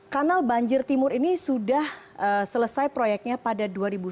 kanal banjir timur ini sudah selesai proyeknya pada dua ribu sembilan belas